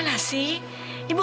ada orang kan medi bei